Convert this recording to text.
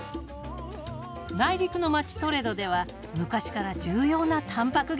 内陸の街トレドでは昔から重要なたんぱく源なの。